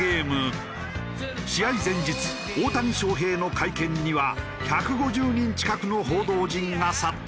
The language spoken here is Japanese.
試合前日大谷翔平の会見には１５０人近くの報道陣が殺到。